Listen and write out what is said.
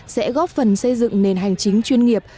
sẽ góp phần xây dựng nền hành chính chuyên nghiệp